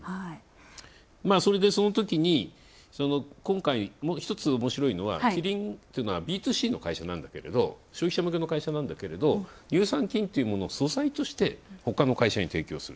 それで、そのときに今回、一つおもしろいのはキリンっていうのはＢｔｏＣの会社なんですけど消費者向けの会社なんだけど乳酸菌というものを素材としてほかの会社に提供する。